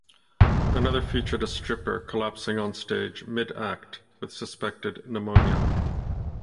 Another featured a stripper collapsing on stage mid-act with suspected pneumonia.